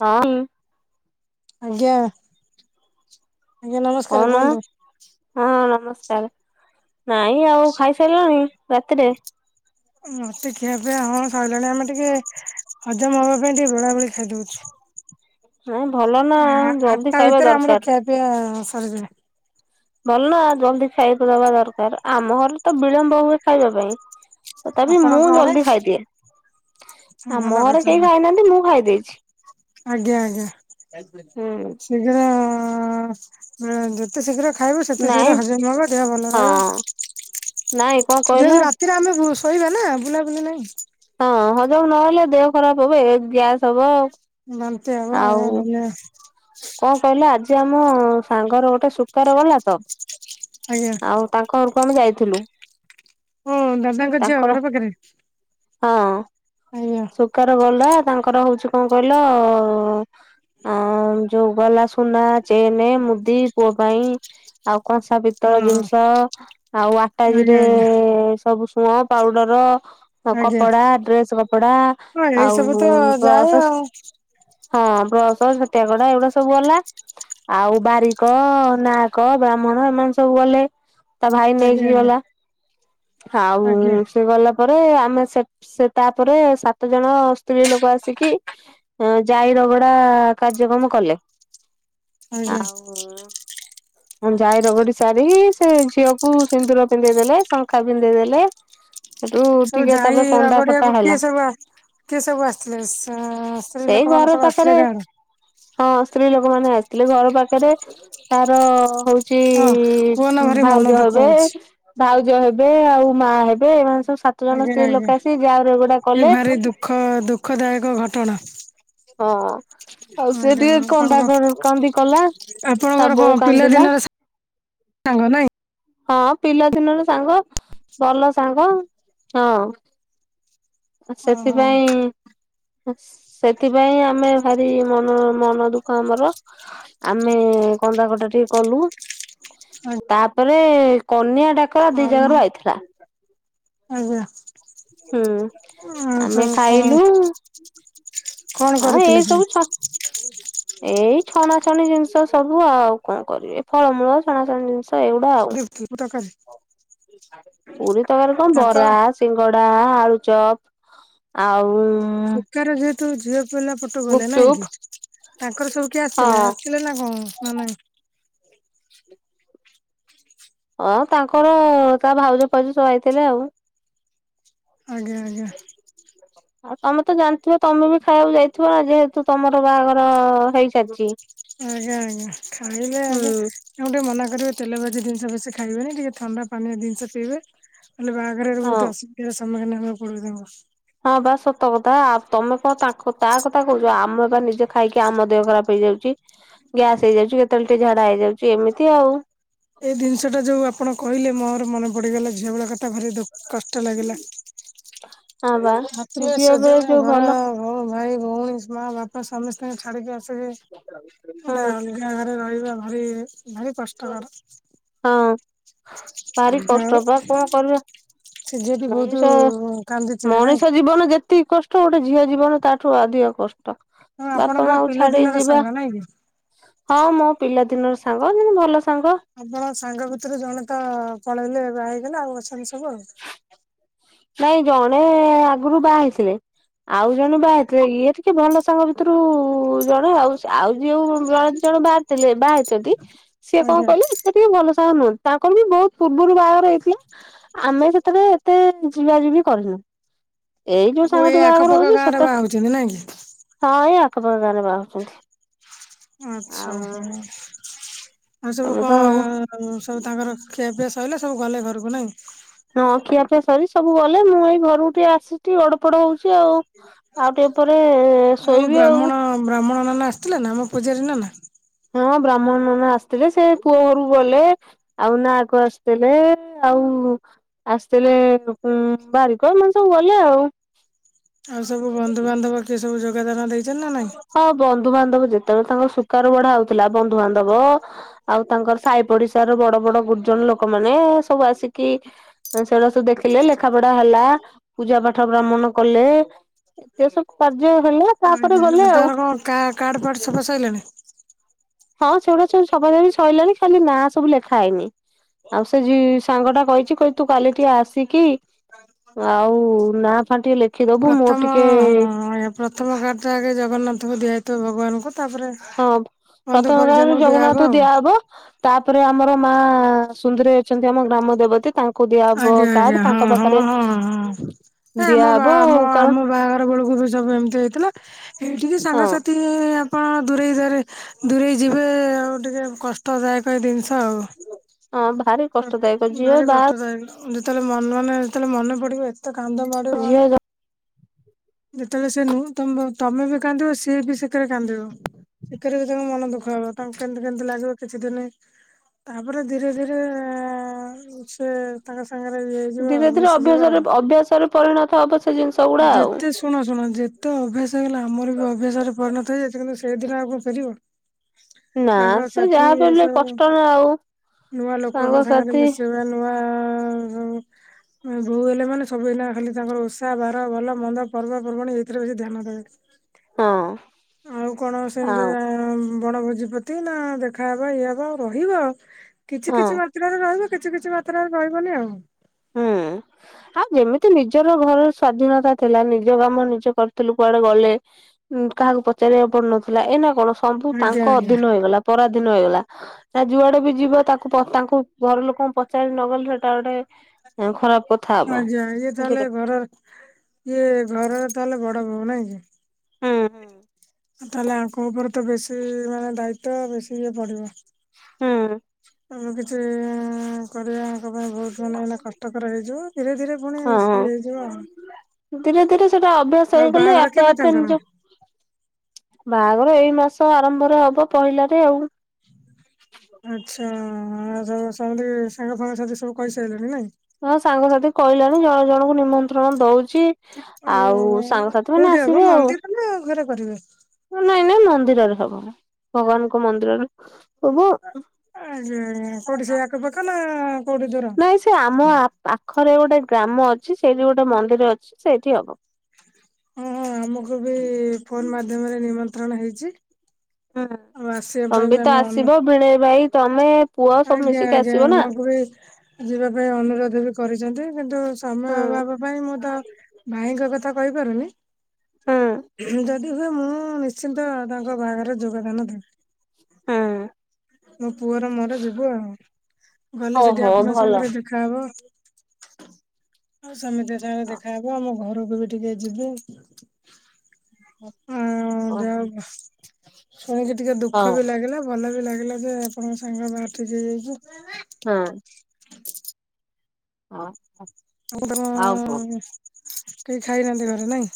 ହଁ। ଆଜ୍ଞା। ଆଜ୍ଞା ନମସ୍କାର କହୁନ କୁହନ୍ତୁ। ହଁ ନମସ୍କା ନାଇଁ ଆଉ ଖାଇ ସାରିଲଣି ରାତିରେ। ମତେ ଖିଆ ପିଆ ହଁ ସଇଲାଣି ଆମେ ଟିକେ ହଜମ ହବା ପାଇଁ ଟିକେ ବେଳା ବେଳି ଖାଇଦଉଛୁ। ନାଇଁ ଭଲ ନା ଜଲଦି ଆଠଟା ଖାଇବା ଭିତରେ ଆମର ଦରକାର। ଖିଆ ପିଆ ସରି ଗଲାଣି। ଭଲ ନା ଜଲଦି ଖାଇ ଖୁଇ ଦବା ଦରକାର ଆମ ଘରେ ତ ବିଳମ୍ବ ହୁଏ ଖାଇବା ପାଇଁ। ତଥାପି ମୁଁ ଆପଣଙ୍କ ଘରେ ଜଲଦି ଖାଇଦିଏ। ଭଲ ଆମ ଘରେ କେହି କରିଛନ୍ତି ଖାଇନାହାନ୍ତି, ମୁଁ ଖାଇ ଦେଇଛି। ଆଜ୍ଞା, ଆଜ୍ଞା ହୁଁ ଶୀଘ୍ର [unintelligible] ଯେତେ ଶୀଘ୍ର ଖାଇବ ସେତେ ଶୀଘ୍ର ନାଇଁ ହଜମ ବି ହବ ଦେହ ଭଲ ହଁ ରହିବ। ନାଇଁ କଣ କହିଲ ଯେହେତୁ ରାତିରେ ଆମେ ଶୋଇବା ନା ବୁଲାବୁଲି ନାହିଁ। ହଁ ହଜମ ନହେଲେ ଦେହ ଖରାପ ହବ ଏ ଗ୍ୟାସ ହବ। ବାନ୍ତି ହବ ଆଉ ଏ ଦୁନିଆ କଣ କହିଲେ ଆଜି ଆମ ସାଙ୍ଗର ଗୋଟେ ସୁୁକାର ଗଲା ତ ଆଉ ତାଙ୍କ ତ ଆମେ ଯାଇଥିଲୁ। ହଁ ଦାଦାଙ୍କ ଝିଅ ତାଙ୍କର ଘର ପାଖରେ। ହଁ ଆଜ୍ଞା ସୁକାର ଗଲା ତାଙ୍କର ହଉଛି କଣ କହିଲ? ହଁ ଆ ହଁ ଯୋଉ ଗଲା ସୁନା ଚେନେ ମୁଦି ପୁଅ ପାଇଁ, ଆଉ କଂସା ପିତ୍ତଳ ହଁ ଜିନଷ ଷ ଆଉ ଆଜ୍ଞା ଆଟାଜିରେ ଆଜ୍ଞା ସବୁ ‌ସୁଅଁ ପାଉଡର। ଆଉ ଆଜ୍ଞା। କପଡା, ଡ୍ରେସ୍ କପଡା, ହଁ ଏଇ ଆଉ ସବୁ ତ ଯାଏ ବ୍ରସ ସ ଆଉ ହଁ ବ ବ୍ରସ, ଛତିଆ କଢା ଏଗୁଡା ସବୁ ଗଲା, ଆଉ ବାରିକ ନାହକ ବ୍ରାହ୍ମଣ ଏମାନେ ସ ସବୁ ଗଲେ, ତା ଭାଇ ଆଜ୍ଞା ନେଇକି ଆଜ୍ଞା। ଗଲା। ଆଉ ଆଜ୍ଞା ସେ ଗଲା। ତାପରେ ଆମେ ସେଠ ସେଠ ସେ ତାପରେ ସାତ ଜଣ ସ୍ତ୍ରୀ ଲୋକ ଆସିକି ଜାଇ ରଗଡା କାର୍ଯ୍ୟକ୍ରମ କଲେ। ଆଜ୍ଞା। ଆଉ ଯାଇ ରଗଡି ସାରିକି ସେ ଝିଅକୁ ସିନ୍ଦୁର ପିନ୍ଧେଇ ଦେଲେ ଶଙ୍ଖା ପିନ୍ଧେଇ ଦେଲେ। ସେଠୁ ସବୁ ଟିକେ ଜାଇ ତାପରେ କନ୍ଦା କଟା ରଗଡିଆକୁ ହେଲା କିଏ ସବୁ ଆସ କିଏ ସବୁ ଆସିଥିଲେ ସ ସ ସେଇ ଘର ପାଖେରେ। ହଁ ସ୍ତ୍ରୀ ଲୋକମାନେ ଆସିଥିଲେ ଘର ପାଖେରେ ତାର ହଉ ଛି ହଁ କୁହନା ଭାରି ମନ ଭାଉଜ ଦୁଃଖ ହେବେ, ହଉଛି। ଭାଉଜ ହେବେ ଆଉ ମା ହେବେ ଏମାନେ ସବୁ ଛଅ ସାତ ଜଣ ଆଜ୍ଞା ସ୍ତ୍ରୀ ଆଜ୍ଞା ଲୋକ ଆସି ଯାଇ ରଗଡା ଏ କଲେ। ଭାରି ଦୁଃଖ ଦୁଃଖଦାୟକ ଘଟଣା ହଁ ଆଉ ସେ ଆଜ୍ଞା ଟିକେ ଆପଣଙ୍କ କନ୍ଦା କ କନ୍ଦି କଲା। ତା ଆପଣଙ୍କର ବୋଉ କଣ କାନ୍ଦିଲା ପିଲାଦିନର ସାଙ୍ଗ ନାଇଁ। ହଁ ପିଲାଦିନର ସାଙ୍ଗ, ଭଲ ସାଙ୍ଗ, ହଁ। ଆ ଓହୋ ସେଥିପାଇଁ ସେଥିପାଇଁ ଆମେ ଭାରି ମନ, ମନ ଦୁଃଖ ଆମର ଆମେ କନ୍ଦା କଟା ଟିକେ କଲୁ। [inaudible] ତାପରେ କନିଆ ଡାକରା ଦି ଆଜ୍ଞା ଜାଗା ରୁ ଆଇଥିଲା। ଆଜ୍ଞା। ହୁଁ। ଆ ହୋ ଆମେ କଣ? ଖାଇଲୁ କଣ ହଁ କରିଥିଲେ ଏଇ ସବୁ ତମେ ଛ ଏଇ ଛଣାଛଣି ଜିନିଷ ସବୁ ଆଉ କଣ କରିବେ ଫଳମୂଳ ଛଣା ଛଣି ଜିନିଷ। ଏଇଗୁଡା ଆଉ। [unintelligible] ପୁରୀ ତକାର କଣ ତାଙ୍କ ବରା ସିଙ୍ଗଡା ଆଳୁଚ ତ ଆଉ ଏକାର ଯେହେତୁ ଝିଅ ପିଲା ପଟୁ ଗଲେ ନାଇଁ ଗୁପଚୁପ କି। ତାଙ୍କର ସବୁ କିଏ ଆସିଥିଲେ ହଁ ଆସିଥିଲେ ନା କଣ ନା ନାଇଁ। ହଁ ତାଙ୍କର ତା ଭାଉଜପାଉଜ ଆଇଥିଲେ ଆଉ। ଆଜ୍ଞା ଆଜ୍ଞା। ଆଉ ତମେ ତ ଜାଣିଥିବ ତମେ ବି ଖାଇବାକୁ ଯାଇଥିବ ନା ଯେହେତୁ ତମର ବାହାଘର ହେଇସାରିଛି। ଆଜ୍ଞା ଆଜ୍ଞା ଖାଇଲେ ହୁଁ। ଆଜ୍ଞା ତାକୁ ଟିକେ ମନା କରିବେ। ତେଲ ବାଜି ଜିନିଷ ବେଶୀ ଖାଇବେନି ଟିକେ ଥଣ୍ଡା ପାଣିଆ ଜିନିଷ ପଇବେ ହେଲେ ବାହାଘରରେ ବହୁତ ହଁ। ଅସୁବି ତମେ ମାନେ ଆମ କୂଳରେ ହବ। ହଁ ବା ସତ କଥା ତମେ କଣ ତା କଥା କହୁଛ ଆମେ ବା ନିଜେ ଖାଇକି ଆମ ଦେହ ଖରାପ ହେଇ ହେଇଯାଉଛି ଗ୍ୟାସ ହେଇଯାଉଛି କେତେବେଳେ ଟିକେ ଝାଡା ହେଇଯାଉଛି ଏମିତି ଆଉ। ଏଇ ଜିନିଷ ଟା ଯୋଉ ଆପଣ କହିଲେ ମୋର ମନେ ପଡିଗଲା ଝିଅ ଭଳିଆ କଥା ଘରେ ଦୁଃ କଷ୍ଟ ଲାଗିଲା ହଁ ବା। ମାତ୍ର ଝିଅ ବେଳେ ସଜନା ଯୋଉ ଘର ଭଲ ହ ଭାଇ ଭଉଣୀ ମା ବାପା ସମସ୍ତଙ୍କୁ ଛାଡିକି ଗଟେ ହୁଁ ଅଲଗା ଘରେ ରହିବା ଭାରି ଭାରି କଷ୍ଟକର। ହଁ ଭାରି ଆଉ କଷ୍ଟ ବା କଣ କରିବା। ସେ ଝିଅଟି ବହୁତ ମଣିଷ କାନ୍ଦିଥିବେ ନାଇଁ? ମଣିଷ ଜୀବନ ଯେତିକି କଷ୍ଟ। ଗୋଟେ ଝିଅ ଜୀବନ ତାଠୁ ଅଧିକ କଷ୍ଟ। ତ ହଁ ବାପା ଆପଣଙ୍କର ମାଆ କୁ ଛାଡି ପିଲାଦିନର ଯିବା ସାଙ୍ଗ ନାଇଁ କି? ହଁ ମୋ ପିଲା ଦିନର ସାଙ୍ଗ ମାନେ ଭଲ ସାଙ୍ଗ ଆପଣ ସାଙ୍ଗ ଭିତରେ ଜଣେ ତ ପଳେଇଲେ ହେଇଗଲେ ଆଉ ଅଛନ୍ତି ସବୁ ଆଉ। ନାଇଁ ଜଣେ ଆଗରୁ ବାହା ହେଇଥିଲେ। ଆଉ ଜଣେ ବାହାରଥିଲେ ଇଏ ଟିକେ ଭଲ ସାଙ୍ଗ ଭିତରୁ ଜଣେ ଆଉ ଆଉ ଯଉ ଜଣେ ଦି ଜଣ ଣ ବାହାରିଥିଲେ ବାହାରିଛନ୍ତି। ସିଏ କଣ ଆଜ୍ଞା କହିଲେ ଏତେ ଟିକେ ଭଲ ସା ନୁହନ୍ତି ତାଙ୍କଣ ବି ବହୁତ ପୂର୍ବରୁ ବାହାଘର ହେଇଥିଲା। ଆମେ ସେଥିବେଳେ ଏତେ ଯିବା ଯିବି କରିନୁ। ଏଇ ଯୋଉ ଓ ଏଇ ସାଙ୍ଗଠ ବାହାଘର ଆଖପାଖ ହହୁଛି ଗାଁ ରେ ବାହା ସେତରେ ହଉଛନ୍ତି ନାଇଁ କି? ହଁ। ଆପଣଙ୍କ ଗାଁ ରେ ବାହାହଉଛନ୍ତି। ଆଚ୍ଛା ହ ଆଉ ସବୁ ଏବେ ତ କଣ ସବୁ ତାଙ୍କର ଏବେ ସରିଲା ସବୁ ଗଲେ ଘରକୁ ନାଇଁ। ହଁ ଖିଆପିଆ ସରି ସବୁ ଗଲେ ମୁଁ ଏଇ ଘରକୁ ଟିକେ ଆସିଛି ଗଡ଼ ପଡ଼ ହଉଛି ଆଉ। ଆଉ ଟିକେ ପରେ ମୁଁ ଶୋଇବି ଆଉ। ବ୍ରାହ୍ମଣ ବ୍ରାହ୍ମଣ ନ ଆସିଥିଲେ ନା ଆମ ପୂଜାରୀ ନନା। ହଁ ବ୍ରାହ୍ମଣ ନନା ଆସିଥିଲେ ସେ ପୁଅ ଘରକୁ ଗଲେ ଆଉ ନା କ ଆସିଥିଲେ ଆଉ ମୁଁ ଆସିଥିଲେ ବାରିକ ମାନେ ସବୁ ଗଲେ ଆଉ। ଆଉ ସବୁ ବନ୍ଧୁବାନ୍ଧବ କିଏ ସବୁ ଯୋଗଦାନ ଦେଇ ହଁ ବନ୍ଧୁବାନ୍ଧବ ଯେତେବେଳେ ତାଙ୍କ ସୁକାର ବଢା ହଉଥିଲା ବନ୍ଧୁବାନ୍ଧବ ଆଉ ତାଙ୍କର ସାଇ ପଡିଶାର ର ବଡ ବଡ ଗୁର୍ଜ ଲୋକମାନୋନ ସବୁ ଆସିକି ସେଟା ସବୁ ଦେଖିଲେ ଲେଖା ପଢା ହେଲା ପୂଜା ପାଠ ଭ୍ରମଣ କଲେ ଏ ସବୁ କାର୍ଯ୍ୟ ହେଲେ ତା ଆଜ୍ଞା ଆଉ ତର କଣ କ କାର୍ଡ ଫାର୍ଡ ଛପା ସଇଲାଣି। ହଁ ସେଗୁଡ଼ା ସେ ସବାଦ ବି ସରିଲାଣି ଖାଲି ନାଁ ସବୁ ଲେଖା ହେଇନି। ଆଉ ସେ ଯ ସାଙ୍ଗ ଟା କହିଛି କହିଲ ତୁ କାଲି ଟିକେ ଆସିକି। ଆଉ ନାଁ ଫା ଟିକେ ଲେଖି। ପ୍ରଥମ ହଁ ପ୍ରଥମ କାର୍ଟ ଆଗେ ଜଗନ୍ନାଥଙ୍କୁ ଦିଆ ହେଇଥିବ ଭଗବାନଙ୍କୁ ତାପରେ ହଁ ବନ୍ଧୁ ପ୍ରଥମ କାର୍ଡରେ ପରିଜନଙ୍କୁ ଦିଆହବ ଜଗନ୍ନାଥଙ୍କୁ ଆଉ। ଦିଆହବ। ତାପରେ ଆମର ମା ସୁନ୍ଦରୀ ଅଛନ୍ତି ଆମ ଗ୍ରାମ ଦେବତୀ ତାଙ୍କୁ। ଦିଆହବ ଆଜ୍ଞା ଆଜ୍ଞା କାର୍ଡ ହଁ ତାଙ୍କ ହଁ ପାଖରେ ହଁ ହଁ। ନ ଆମ ବା ଦିଆହବ ଆମ କାରଣ ଆମ ବାହାଘର ବେଳକୁ ବି ସବୁ ଏମିତି ହେଇଥିଲା ଏଇଠିକି ହଁ ସାଙ୍ଗସାଥି। ହଁ ଦୂରେଇ ଯିବେ ଦୂରେଇ ଯିବେ ଆଉ ଟିକେ କଷ୍ଟଦାୟକ ଏ ଦିନିଷ ଆଉ। ଆଁ ଭାରି କଷ୍ଟଦାୟକ ଝିଅ ବା। ଯୌଗୁଡୁ ଯେତେବେଳେ ମନ ମନେ ଯେତେବେଳେ ମନେ ପଡିବ ଏତେ କାନ୍ଦ ମାଡିବ ମାନେ। ଝିଅ ଯେତେବେଳେ ସେଁନୁ ତମେ ବି କାନ୍ଦିବ ସିଏ ବି ସେକିରେ କାନ୍ଦିବ ସେଥିରେ ବି ତା ମନ ଦୁଖ। ଭାବ ତାଙ୍କୁ କେନ୍ତି କେନ୍ତି ଲାଗିବ କିଛି ଦିନି ତାପରେ ଧୀରେ ଧୀରେ ଏଁ ଅଁ ସେ ତାଙ୍କ ସ ଧୀରେ ଧୀରେ ଅଭ୍ୟାସରେ ଅଭ୍ୟାସରେ ପରିଣତ ହବଶ ଯେତେ ଶୁଣ ଶୁଣ ଯେତେ ଅଭ୍ୟାସ ହେଇଗଲା ଆମର ବି ଅଭ୍ୟାସ ରେ ପରିଣତ ହେଇଯାଇଚି କିନ୍ତୁ ଶ ସେ ଦିନ ଆଉ କଣ ଫେରିବ ନା ସେ ସାଙ୍ଗସାଥି ଯାହା ବି ହେଲେ ଏସବୁ କଷ୍ଟ ନା ଆଉ ନୂଆ ଲୋକଙ୍କ ସାଙ୍ଗରେ ସାଙ୍ଗସାଥି ମିଶେଇବା ନୂଆ ଆ ଆ ହଉ ହଉ ବହୁ ହେଲେ ମାନେ ସବୁ ଏନା ଖାଲି ତାଙ୍କର ଓଷା ବାର ଆଉ ଭଲ ମନ୍ଦ ପର୍ବପର୍ବାଣୀ ଏଇଥିରେ ବେଶ ଧ୍ୟାନ ହଁ ଦେବେ ଆଉ କଣ ସେମିତି ଆଉ ଆ ବଣ ଭୋଜିପ୍ରତି ନା ଦେଖାହବା ଇଏ ହବା ଆଉ ରହିବ ଆଉ କିଛି ହଁ କିଛି ମାତ୍ରରେ ରହିବ କିଛି କିଛି ମାତ୍ରାରେ ରହିବନି ଆ ହୁଁ ଆଉ ଯେମିତି ନିଜର ଘରର ସ୍ଵାଧୀନତା ଥିଲା ନିଜ କାମ ନିଜେ କରିଥିଲୁ କୁଆଡେ ଗଲେ? ଉଁ କାହାକୁ ପଚାରିବାକୁ ପଡୁନଥିଲା ଏ ନା କଣ ସବୁ ତାଙ୍କ ଆଜ୍ଞା ଆଜ୍ଞା ଅଧୀନ ହେଇଗଲା ପରାଧୀନ ହେଇଗଲା। ଯା ଯୁଆଡେ ବି ଯିବ ତାକୁ ତାଙ୍କୁ ଘର ଲୋକଙ୍କୁ ପଚାରି ନଗଲେ ସେଟା ଗୋଟେ ଉଁ ଖରାପ୍ ଆଜ୍ଞା ଇଏ ତାହେଲେ ଘର ଇଏ ଘରର ତାହେଲେ ବଡ ବହୁ ନାଇଁ କି? ହୁଁ ହୁଁ ତାହେଲେ ଆଙ୍କ ଉପରେ ତ ବେଶୀ ମାନେ ଦାୟିତ ବେଶୀ ଇଏ ପଡିବ। ହୁଁ। ଆମେ କିଛି ଇଁ ଈ କରିବା ତାଙ୍କ ପାଇଁ ବହୁତ ମାନେ ଏନେ କଷ୍ଟକର ହେଇଯିବ ଧୀରେ ଧୀରେ ପୁଣି ହଁ ଇ ଏ ହଁ ହେଇଯିବ ଆଉ ଧୀରେ ଧୀରେ ସେଟା ଅଭ୍ୟାସ ଆଉ ହେଇଗଲେ ବାହାଘର ଆପେ କେବେ ଆପେ ତାଙ୍କର? ନିଜ ବାହାଘର ଏଇ ମାସ ଆରମ୍ଭରେ ହବ ପହିଲାରେ ଆଉ ଆଚ୍ଛା ସମୁଦୀ ସାଙ୍ଗ ଫାଙ୍ଗ ସାଥି ସବୁ କହିସାରିଲେଣି ନାଇଁ ହଁ ସାଙ୍ଗସାଥି କହିଲାଣି ଜଣ ଜଣଙ୍କୁ ନିମନ୍ତ୍ରଣ ଦଉଛି ଆଉ ସାଙ୍ଗସାଥି ମାନେ କୋଉଠି ହବ ଆସିବେ ଆଉ ମନ୍ଦିର ନା ଘରେ କରିବେ? ମନ୍ଦିର ରେ ହବ ଭଗବାନଙ୍କ ମନ୍ଦିରରେ ସବୁ ଆଜ୍ଞା କୋଟି ସେିହି ଆଖ ପାଖ ନା କୋଠୀ ଦୂର ନାଇଁ ସେ ଆମ ପାଖରେ ଗୋଟେ ଗ୍ରାମ ଅଛି ସେଇଠି ଗୋଟେ ମନ୍ଦିର ଅଛି ସେଇଠି ହବ ହଁ ହଁ ଆମକୁ ବି ଫୋନ ମାଧ୍ୟମରେ ନିମନ୍ତ୍ରଣ ହେଇଚି ହୁଁ ଆଉ ଆସିବା ତମେ ବି ପାଇଁ ତ ଆମେ ଆସିବ ଅନୁ ଭିଣେଇ ଭାଇ ତମେ ପୁଅ ସବୁ ଆଜ୍ଞା ମିଶିକି ଆଜ୍ଞା ଆସିବ ନା ଆମକୁ ବି ଯିବା ପାଇଁ ଅନୁରୋଧ ବି କରିଛନ୍ତି କିନ୍ତୁ ସମୟ ହୁଁ। ହାଭ ଭାବ ପାଇଁ ମୁଁ ତ ଭାଇଙ୍କ କଥା କହିପାରୁନି ହୁଁ ଯଦି ମୁଁ ନିଶ୍ଚିନ୍ତ ତାଙ୍କ ବାହାଘରରେ ଯୋଗଦାନ ଦେବି ହୁଁ ମୋ ପୁଅର ମୋର ଯିବୁ ଆଉ ଗଲେ ସେଠି ଓହୋ ଆପଣଙ୍କ ଭଲ। ସାଙ୍ଗରେ ଦେଖାହବ ସେମିତି ସାଙ୍ଗରେ ଦେଖାହେବ ଆମ ଘରକୁ ବି ଟିକେ ଯିବି ଆଉଁ ଓ ଯା ହବ ଶୁଣିକି ଟିକେ ଦୁଃଖ ହଁ ବି ଲାଗିଲା ଭଲ ବି ଲାଗିଲା ଯେ ଆପଣଙ୍କ ସାଙ୍ଗ ବାହାଘର ଠିକ୍ ହେଇଯାଇଛି। ହଁ। [inaudible] ଅ ହଁ। ମୁଁ ଆଉ ତମ କଣ? କେଇ ଖାଇନାହାନ୍ତି ଘରେ ନାଇଁ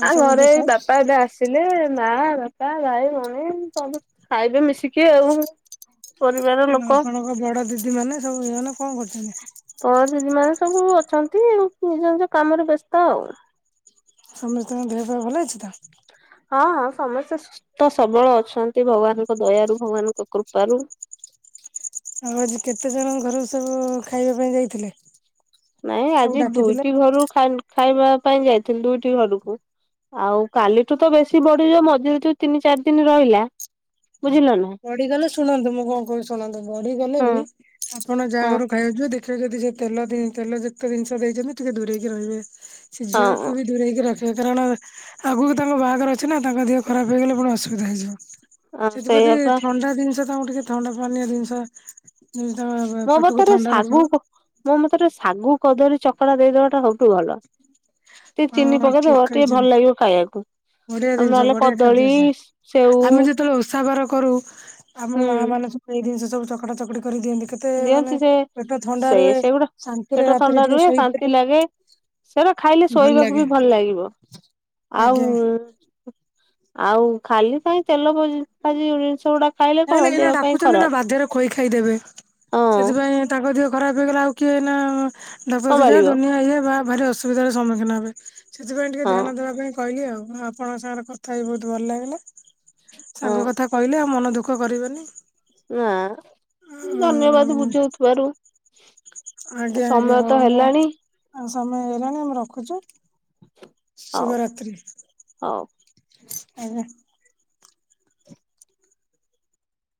ଆଉ ଘରେ ସମସ୍ତେ ବାପା ଏବେ ଆସିଲେ ମା ବାପା ଭାଇ ଭଉଣୀ ସବୁ ଖାଇବେ ମିଶିକି ଆଉ ପରିବାର ଆ ଲୋକ। ଆପଣଙ୍କ ବଡ ଦିଦି ମାନେ ସବୁ କଣ ତଳ ଦିଦି କରୁଛନ୍ତି। ମାନେ ସବୁ ଅଛନ୍ତି ନିଜ ନିଜ କାମରେ ବ୍ୟସ୍ତ ଆଉ। ସମସ୍ତଙ୍କ ଦେହପା ଭଲ ଅଛି ତ? ହଁ ଅସମସ୍ତେ ସୁସ୍ତସବଳ ଅଛନ୍ତି ଭଗବାନଙ୍କ ଦୟାରୁ ଭଗବାନଙ୍କ କୃପାରୁ। ଆଉ ଆଜି କେତେ ଜଣ ଘରକୁ ସବୁ ଖାଇବା ପାଇଁ ଯାଇଥିଲେ। ନାଇଁ ସବୁ ଆଜି ଡାକିଥିଲେ ଦୁଇଟି ଘରୁ ଖାଇବା ପାଇଁ ଯାଇଥିଲି ଦୁଇଟି ଘରକୁ। ଆଉ କାଲିଠୁ ତ ବେଶୀ ବଢିଯିବ ମଝିରେ ଯୋଉ ତିନି ଚାରି ଦିନ ରହିଲା। ବୁଝିଲ ନା। ବଢିଗଲେ ଶୁଣନ୍ତୁ ମୁଁ କଣ କୋହୁଚି ଶୁଣନ୍ତୁ ବଢିଗଲେ ହଁ ବି ଆପଣ ଯାହାଘରୁ ଖାଇବାକୁ ଯିବେ ସେ ଯଦି ତେଲ ତେଲ ଯେତେ ଜିନିଷ ଦେଇଚନ୍ତି ଟିକେ ଦୂରେକି ରହିବେ ସେ ହଁ ଝିଅକୁ ବି ଦୂରେଇକି ରଖିବେ। କାରଣ ଆଗକୁ ତାଙ୍କ ବାହାଘର ଅଛି ନା ତାଙ୍କ ଦେହ ଖରାପ ହେଇଗଲେ ପୁଣି ଅସୁବିଧା ହେଇଯିବ। ଆମ୍ ସେଥିପ୍ରତି ସେୟାପା ଥଣ୍ଡା ଜିନିଷ ତାଙ୍କୁ ଟିକେ ଥଣ୍ଡା ପାନୀୟ ଜିନିଷ ଯେମିତି ତାଙ୍କ ମୋ ପେଟକୁ ମତରେ ଥଣ୍ଡା ରଖିବ ଶାଗୁ ମୋ ମତରେ ଶାଗୁ କଦଳୀ ଚକ ଟିକେ ଚିନି ହଁ ଠିକ ପକେଇଦବ ଟିକେ କହିଛନ୍ତି। ଭଲ ଲାଗିବ ଖାଇବାକୁ। ବଢିଆ ଆଉ ଜିନିଷ ନହେଲେ ବଢିଆ ଖାଦ୍ୟ କଦଳୀ ସିଏ ସେଉ ଆମେ ଯେତେବେଳେ ଓଷା ବାର କରୁ ଆମ ମା ହୁଁ ମାନେ ସବୁ ଏଇ ଜିନିଷ ସବୁ ଚକଡା ଚକୋଡି କରିଦିଅନ୍ତି। କେତେ ଦିଅନ୍ତି ମାନେ ସେ ପେଟ ଥଣ୍ଡା ସେଇ ରୁହେ ସେଗୁଡା ଶାନ୍ତିରେ ପେଟ ରାତିରେ ଥଣ୍ଡା ଟିକେ ରୁହେ ଶାନ୍ତି ଶୋଇପାରିବୁ। ଲାଗେ। ସେରା ଖାଇଲେ ଶୋଇବାକୁ ବି ଭଲ ଲାଗିବ ଆଉ ଆଜ୍ଞା ଆଉ ଖାଲି କାଇ ତେଲ ବାଜି ଜିନିଷ ଗୁଡା ଖାଇଲେ ନାଇଁ କଣ ନାଇଁ ଏନା ଦେହ ପାଇଁ ଡାକୁଛନ୍ତି ନା ଖରାପ ବାଧ୍ୟରେ ଖୋଇ ଖାଇଦେବେ ହଁ। ସେଥିପାଇଁ ତାଙ୍କ ଦେହ ଖରାପ ହେଇଗଲେ ଆଉ କିଏ ନା ସମ୍ଭାଳିବ ଡକୟତଯାଦୁନିଆ ଇଏ ବା ଭାରି ଅସୁବିଧାର ସମ୍ମୁଖୀନ ହେବେ। ସେଥିପାଇଁ ଟିକେ ହଁ ଧ୍ୟାନ ଦେବା ପାଇଁ କହିଲି ଆଉ ଆପଣଙ୍କ ସାଙ୍ଗରେ କଥା ହେଇ ବହୁତ ଭଲ ଲାଗିଲା। ସାଙ୍ଗ ହଁ କଥା କହିଲେ ଆଉ ମନ ଦୁଃଖ କରିବନି। ନା ଧନ୍ୟବାଦ ବୁଝଉଥିବାରୁ ଆଜ୍ଞା ଆଜ୍ଞା ସମୟ ତ ହଉ ମୁଁ ହେଲାଣି ସମୟ ହେଇଲାଣି ଆମେ ରଖୁଛୁ। ହଉ ଶୁଭରାତ୍ରି ହଉ। ଆଜ୍ଞା।